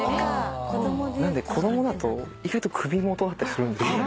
なんで子供だと意外と首元だったり。